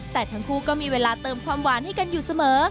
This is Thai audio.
แต่ทั้งคู่ก็มีเวลาเติมความหวานให้กันอยู่เสมอ